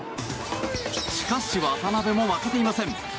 しかし渡邊も負けていません。